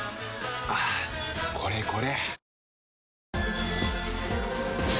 はぁこれこれ！